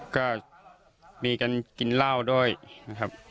ก็มีกันกินเหล้าด้วยนะครับ